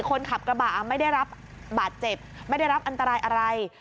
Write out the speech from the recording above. คนขับกระบะไม่ได้รับบาดเจ็บไม่ได้รับอันตรายอะไร